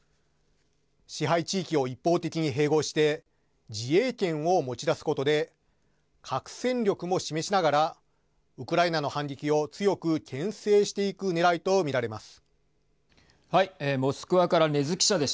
支配地域を一方的に併合して自衛権を持ち出すことで核戦力も示しながらウクライナの反撃を強く、けん制していくねらいと見られます。